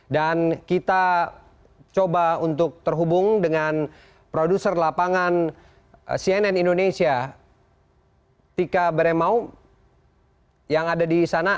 dan kita coba untuk terhubung dengan produser lapangan cnn indonesia tika beremao yang ada di sana